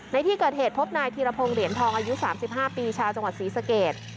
ในที่เกิดเหตุพบนายธีรพงศ์เหรียญทองอายุ๓๕ปีชาวจังหวัดศรีสเกต